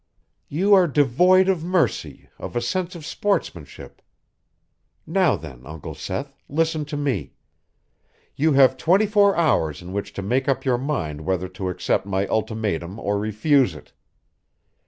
"You are devoid of mercy, of a sense of sportsmanship. Now, then, Uncle Seth, listen to me: You have twenty four hours in which to make up your mind whether to accept my ultimatum or refuse it.